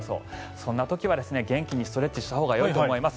そんな時は元気にストレッチしたほうがよいと思います。